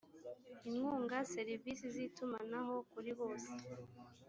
inkunga serivisi z itumanaho kuri bose